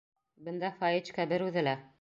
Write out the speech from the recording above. Бында Фаечка бер үҙе лә...